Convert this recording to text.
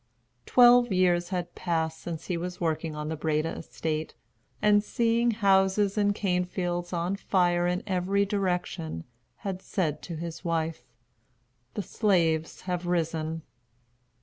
Twelve years had passed since he was working on the Breda estate, and seeing houses and cane fields on fire in every direction, had said to his wife, "The slaves have risen."